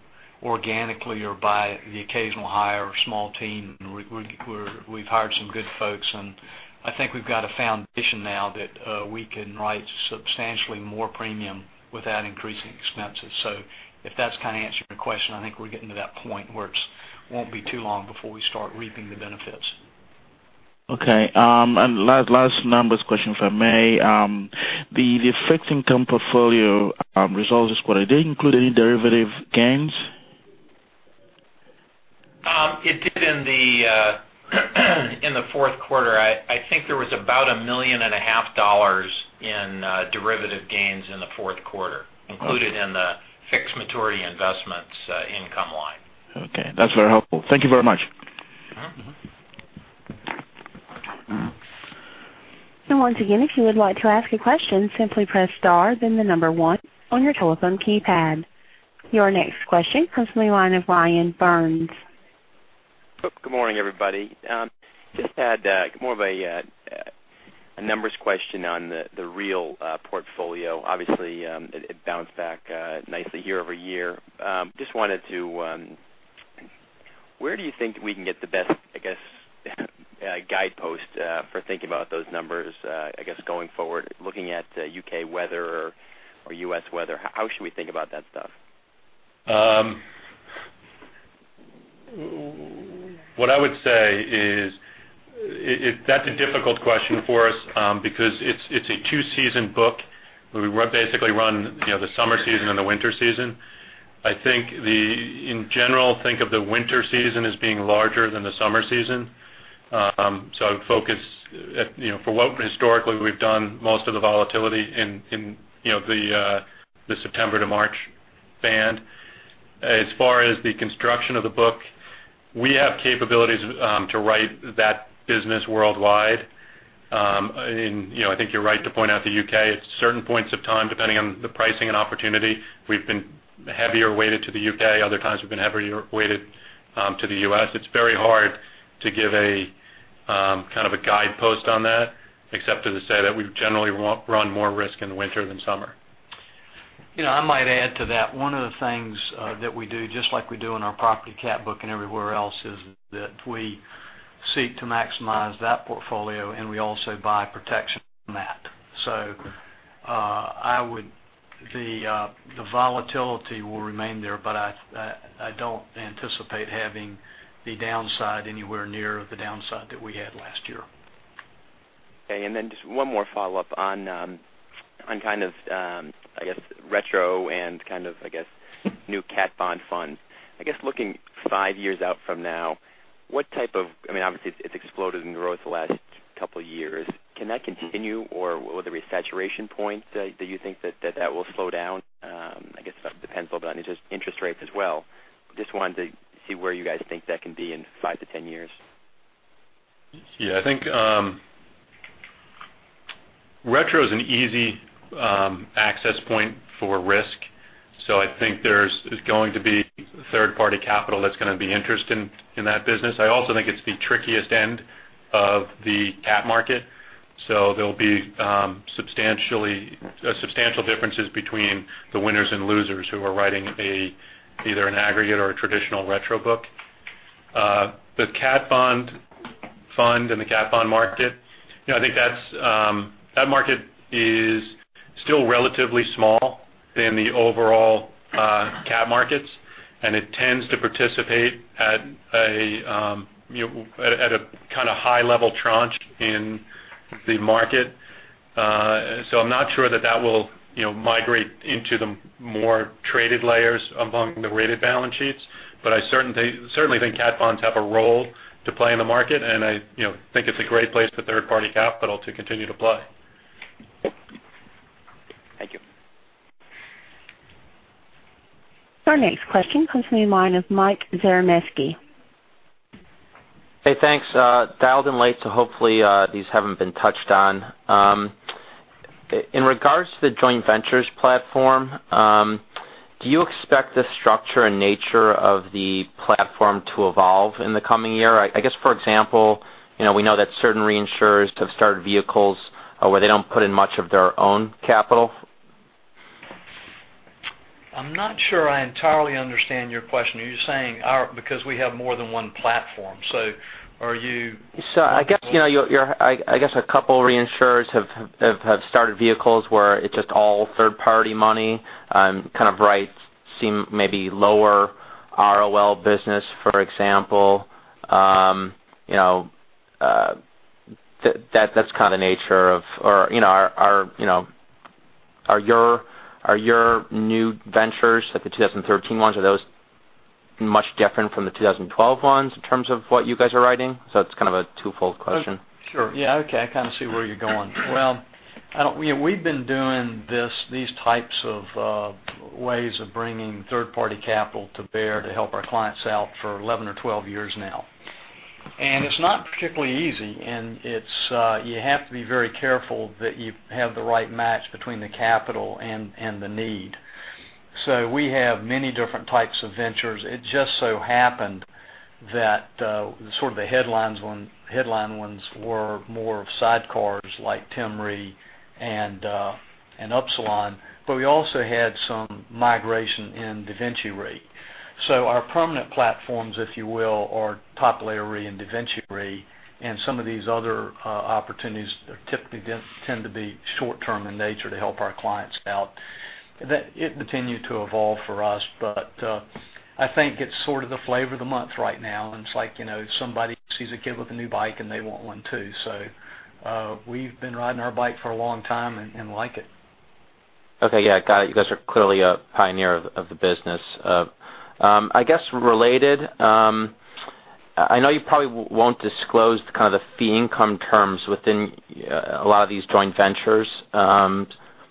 organically or by the occasional hire of a small team, and we've hired some good folks, and I think we've got a foundation now that we can write substantially more premium without increasing expenses. If that's kind of answering your question, I think we're getting to that point where it won't be too long before we start reaping the benefits. Okay. Last numbers question, if I may. The fixed income portfolio results this quarter, did it include any derivative gains? It did in the fourth quarter. I think there was about a million and a half dollars in derivative gains in the fourth quarter included in the fixed maturity investments income line. Okay. That's very helpful. Thank you very much. Once again, if you would like to ask a question, simply press star, then the number one on your telephone keypad. Your next question comes from the line of Ryan Burns. Good morning, everybody. Just had more of a numbers question on the RenRe portfolio. Obviously, it bounced back nicely year-over-year. Just wanted where do you think we can get the best, I guess, guidepost for thinking about those numbers, I guess, going forward, looking at U.K. weather or U.S. weather? How should we think about that stuff? What I would say is that's a difficult question for us because it's a two-season book where we basically run the summer season and the winter season. I think, in general, think of the winter season as being larger than the summer season. I would focus at for what historically we've done most of the volatility in the September to March band. As far as the construction of the book, we have capabilities to write that business worldwide. I think you're right to point out the U.K. At certain points of time, depending on the pricing and opportunity, we've been heavier weighted to the U.K. Other times, we've been heavier weighted to the U.S. It's very hard to give a kind of a guidepost on that except to just say that we generally run more risk in the winter than summer. I might add to that. One of the things that we do, just like we do in our property cat book and everywhere else, is that we seek to maximize that portfolio, and we also buy protection on that. The volatility will remain there, but I don't anticipate having the downside anywhere near the downside that we had last year. Okay, just one more follow-up on kind of, I guess, retro and kind of new cat bond funds. I guess looking five years out from now, obviously it's exploded in growth the last couple of years. Can that continue, or will there be saturation points that you think that that will slow down? I guess that depends a little bit on interest rates as well, but just wanted to see where you guys think that can be in five to 10 years. Yeah, I think retro is an easy access point for risk. I think there's going to be third-party capital that's going to be interested in that business. I also think it's the trickiest end of the cat market, so there'll be substantial differences between the winners and losers who are writing either an aggregate or a traditional retro book. The cat bond fund and the cat bond market, I think that market is still relatively small in the overall cat markets, and it tends to participate at a kind of high level tranche in the market. I'm not sure that that will migrate into the more traded layers among the rated balance sheets. I certainly think cat bonds have a role to play in the market, and I think it's a great place for third-party capital to continue to play. Thank you. Our next question comes from the line of Mike Zaremski. Hey, thanks. Dialed in late. Hopefully, these haven't been touched on. In regards to the joint ventures platform, do you expect the structure and nature of the platform to evolve in the coming year? I guess, for example, we know that certain reinsurers have started vehicles where they don't put in much of their own capital. I'm not sure I entirely understand your question. Are you saying because we have more than one platform. Are you- I guess a couple reinsurers have started vehicles where it's just all third-party money, kind of writes seem maybe lower ROL business, for example. Are your new ventures, like the 2013 ones, are those much different from the 2012 ones in terms of what you guys are writing? It's kind of a two-fold question. Sure. Yeah. Okay. I kind of see where you're going. Well, we've been doing these types of ways of bringing third-party capital to bear to help our clients out for 11 or 12 years now. It's not particularly easy, and you have to be very careful that you have the right match between the capital and the need. We have many different types of ventures. It just so happened that sort of the headline ones were more of sidecars like Timicuan Re and Upsilon Re, but we also had some migration in DaVinci Re. Our permanent platforms, if you will, are Top Layer Re and DaVinci Re, and some of these other opportunities typically tend to be short-term in nature to help our clients out. It continued to evolve for us, but I think it's sort of the flavor of the month right now, and it's like somebody sees a kid with a new bike and they want one too. We've been riding our bike for a long time and like it. Okay. Yeah, got it. You guys are clearly a pioneer of the business. I guess related, I know you probably won't disclose kind of the fee income terms within a lot of these joint ventures.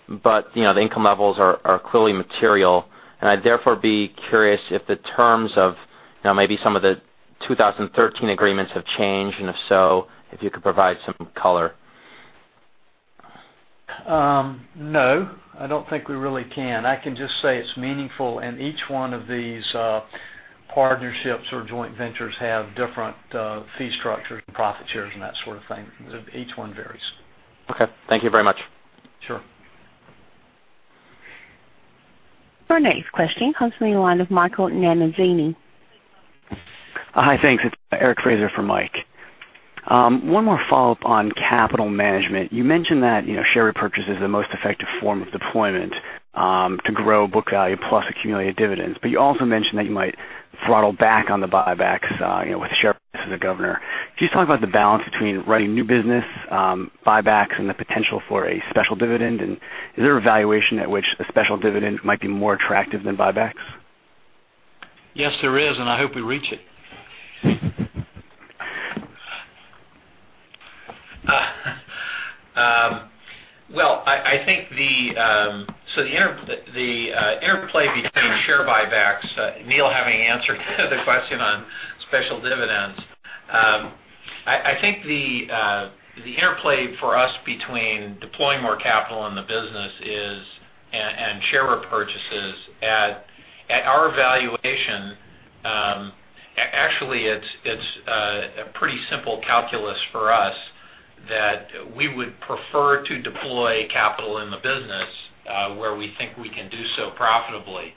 The income levels are clearly material, and I'd therefore be curious if the terms of maybe some of the 2013 agreements have changed, and if so, if you could provide some color. No, I don't think we really can. I can just say it's meaningful, and each one of these partnerships or joint ventures have different fee structures and profit shares and that sort of thing. Each one varies. Okay. Thank you very much. Sure. Our next question comes from the line of Michael Nannizzi. Hi, thanks. It's Eric Fraser for Mike. One more follow-up on capital management. You mentioned that share repurchase is the most effective form of deployment to grow book value plus accumulated dividends. You also mentioned that you might throttle back on the buybacks with share price as a governor. Can you just talk about the balance between writing new business, buybacks, and the potential for a special dividend? Is there a valuation at which a special dividend might be more attractive than buybacks? Yes, there is, and I hope we reach it. Well, I think the interplay between share buybacks, Neill having answered the question on special dividends. I think the interplay for us between deploying more capital in the business and share repurchases at our valuation, actually, it's a pretty simple calculus for us that we would prefer to deploy capital in the business, where we think we can do so profitably.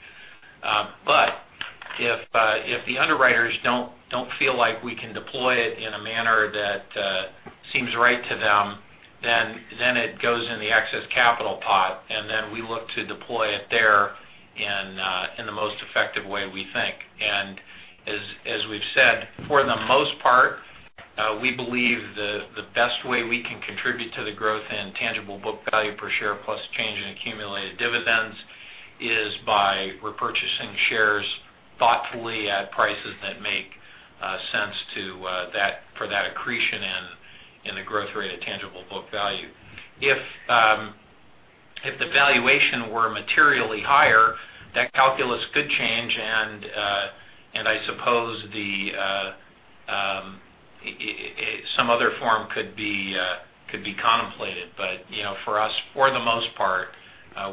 If the underwriters don't feel like we can deploy it in a manner that seems right to them, then it goes in the excess capital pot, and then we look to deploy it there in the most effective way we think. As we've said, for the most part, we believe the best way we can contribute to the growth in tangible book value per share plus change in accumulated dividends is by repurchasing shares thoughtfully at prices that make sense for that accretion and the growth rate of tangible book value. If the valuation were materially higher, that calculus could change and I suppose some other form could be contemplated. For us, for the most part,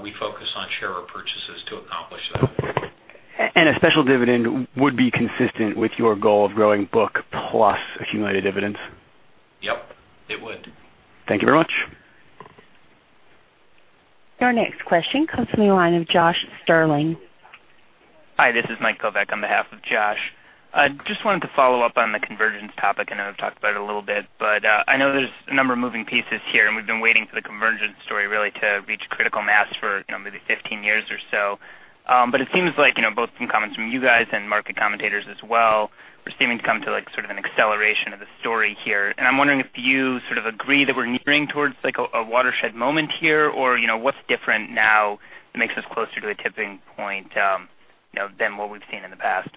we focus on share repurchases to accomplish that. A special dividend would be consistent with your goal of growing book plus accumulated dividends? Yep. It would. Thank you very much. Your next question comes from the line of Josh Sterling. Hi, this is Mike Kovac on behalf of Josh. Just wanted to follow up on the convergence topic. I know we've talked about it a little bit, but I know there's a number of moving pieces here. We've been waiting for the convergence story really to reach critical mass for maybe 15 years or so. It seems like both from comments from you guys and market commentators as well, we're seeming to come to sort of an acceleration of the story here. I'm wondering if you sort of agree that we're nearing towards a watershed moment here, or what's different now that makes us closer to the tipping point than what we've seen in the past?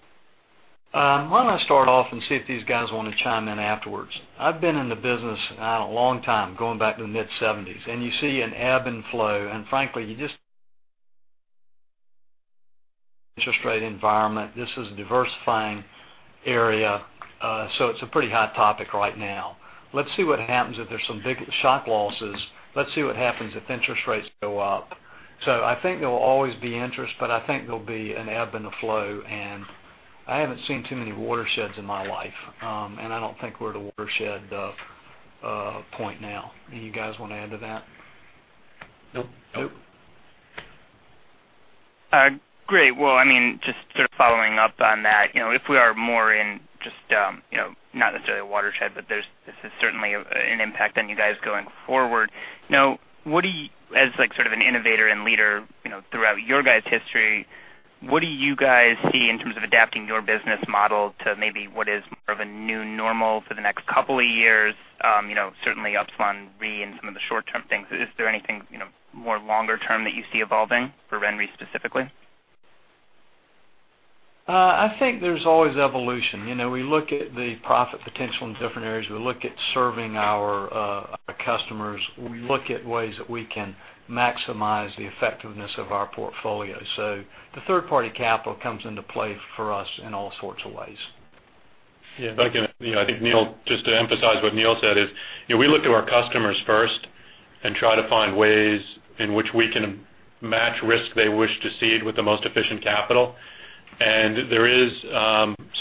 Why don't I start off and see if these guys want to chime in afterwards? I've been in the business a long time, going back to the mid-1970s. You see an ebb and flow. Frankly, interest rate environment. This is a diversifying area, so it's a pretty hot topic right now. Let's see what happens if there's some big shock losses. Let's see what happens if interest rates go up. I think there will always be interest, but I think there'll be an ebb and a flow. I haven't seen too many watersheds in my life. I don't think we're at a watershed point now. Any of you guys want to add to that? Nope. Nope. Great. Just sort of following up on that, if we are more in just not necessarily a watershed, this is certainly an impact on you guys going forward. As sort of an innovator and leader throughout your guys' history, what do you guys see in terms of adapting your business model to maybe what is more of a new normal for the next couple of years? Certainly Upsilon Re and some of the short-term things. Is there anything more longer term that you see evolving for RenRe specifically? I think there's always evolution. We look at the profit potential in different areas. We look at serving our customers. We look at ways that we can maximize the effectiveness of our portfolio. The third-party capital comes into play for us in all sorts of ways. Yeah. I think, just to emphasize what Neill said is, we look to our customers first and try to find ways in which we can match risk they wish to cede with the most efficient capital. There is,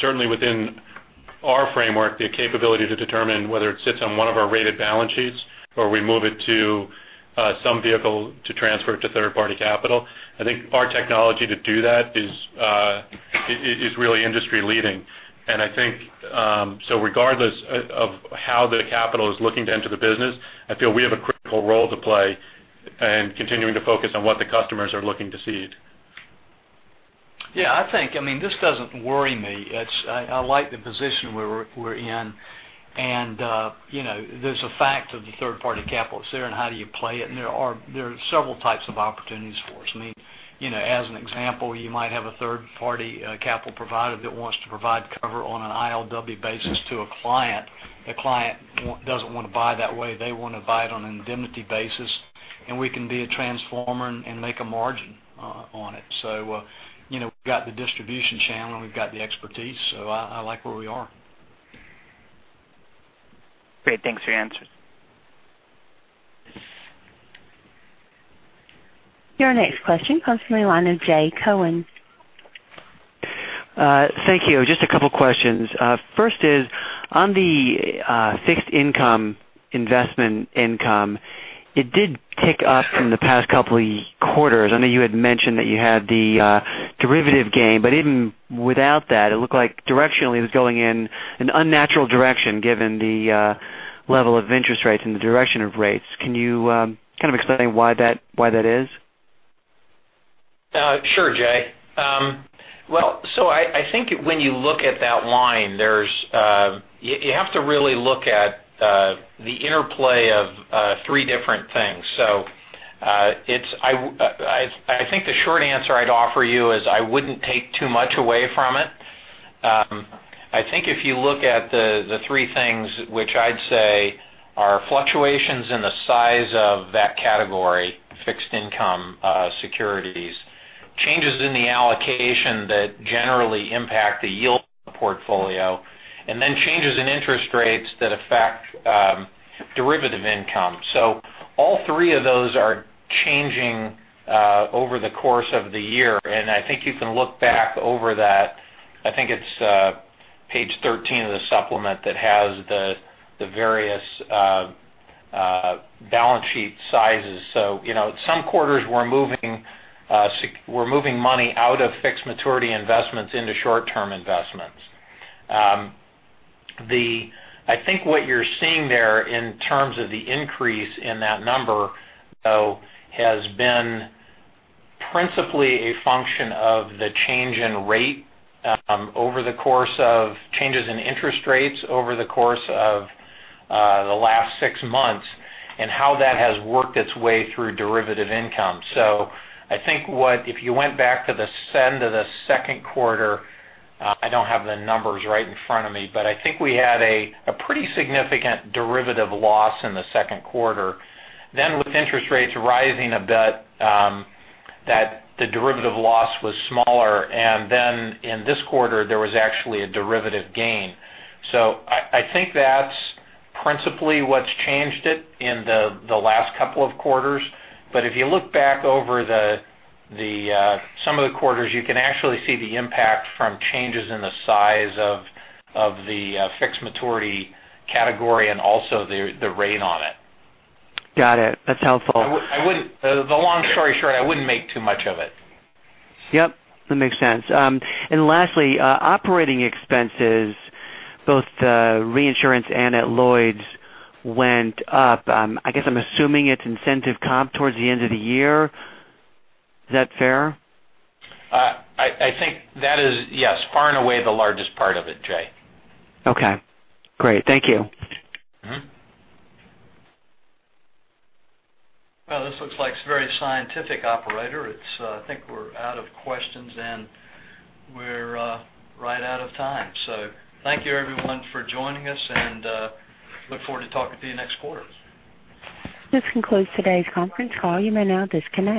certainly within our framework, the capability to determine whether it sits on one of our rated balance sheets or we move it to some vehicle to transfer it to third-party capital. I think our technology to do that is really industry-leading. I think, regardless of how the capital is looking to enter the business, I feel we have a critical role to play in continuing to focus on what the customers are looking to cede. Yeah, I think, this doesn't worry me. I like the position we're in. There's a fact of the third-party capital. It's there, and how do you play it? There are several types of opportunities for us. As an example, you might have a third-party capital provider that wants to provide cover on an ILW basis to a client. The client doesn't want to buy that way. They want to buy it on an indemnity basis, and we can be a transformer and make a margin on it. We've got the distribution channel, and we've got the expertise, so I like where we are. Great. Thanks for your answers. Your next question comes from the line of Jay Cohen. Thank you. Just a couple questions. First is, on the fixed income investment income, it did tick up in the past couple of quarters. I know you had mentioned that you had the derivative gain, but even without that, it looked like directionally it was going in an unnatural direction given the level of interest rates and the direction of rates. Can you kind of explain why that is? Sure, Jay. Well, I think when you look at that line, you have to really look at the interplay of three different things. I think the short answer I'd offer you is I wouldn't take too much away from it. I think if you look at the three things, which I'd say are fluctuations in the size of that category, fixed income securities, changes in the allocation that generally impact the yield portfolio, and then changes in interest rates that affect derivative income. All three of those are changing over the course of the year, and I think you can look back over that. I think it's page 13 of the supplement that has the various balance sheet sizes. Some quarters we're moving money out of fixed maturity investments into short-term investments. I think what you're seeing there in terms of the increase in that number, though, has been principally a function of the change in rate over the course of changes in interest rates over the course of the last six months and how that has worked its way through derivative income. I think if you went back to the end of the second quarter, I don't have the numbers right in front of me, but I think we had a pretty significant derivative loss in the second quarter. With interest rates rising a bit, that the derivative loss was smaller, and then in this quarter, there was actually a derivative gain. I think that's principally what's changed it in the last couple of quarters. If you look back over some of the quarters, you can actually see the impact from changes in the size of the fixed maturity category and also the rate on it. Got it. That's helpful. The long story short, I wouldn't make too much of it. Yep. That makes sense. Lastly, operating expenses, both the reinsurance and at Lloyd's went up. I guess I'm assuming it's incentive comp towards the end of the year. Is that fair? I think that is, yes, far and away the largest part of it, Jay. Okay, great. Thank you. This looks like it's very scientific operator. I think we're out of questions, and we're right out of time. Thank you, everyone, for joining us, and look forward to talking to you next quarter. This concludes today's conference call. You may now disconnect.